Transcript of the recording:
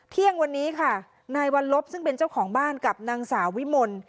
เที่ยงวันนี้ค่ะนายวัลลบซึ่งเป็นเจ้าของบ้านกับนางสาววิมล